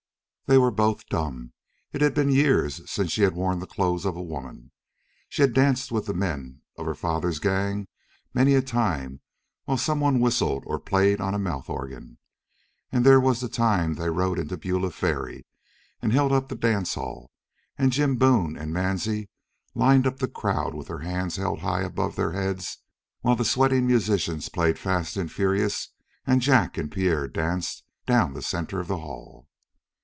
They were both dumb. It had been years since she had worn the clothes of a woman. She had danced with the men of her father's gang many a time while someone whistled or played on a mouth organ, and there was the time they rode into Beulah Ferry and held up the dance hall, and Jim Boone and Mansie lined up the crowd with their hands held high above their heads while the sweating musicians played fast and furious and Jack and Pierre danced down the center of the hall.